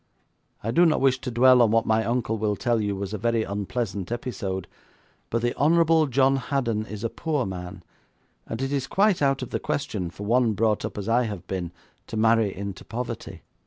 I do not wish to dwell on what my uncle will tell you was a very unpleasant episode, but the Honourable John Haddon is a poor man, and it is quite out of the question for one brought up as I have been to marry into poverty.